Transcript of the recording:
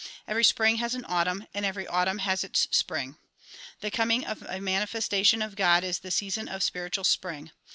Every spring has an autumn and every autumn has its spring. The coming of a manifestation of God is the season of spiritual spring.